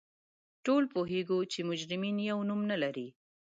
ټول پوهیږو چې مجرمین یو نوم نه لري